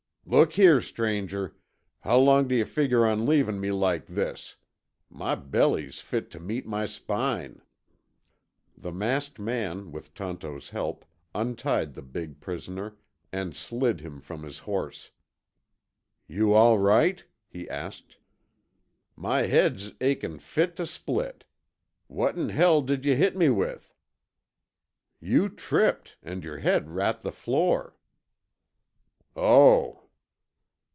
"Look here, stranger, how long d'yuh figger on leavin' me like this? My belly's fit tuh meet my spine." The masked man, with Tonto's help, untied the big prisoner, and slid him from his horse. "You all right?" he asked. "My head's achin' fit tuh split. What in hell did yuh hit me with?" "You tripped, and your head rapped the floor." "Oh!"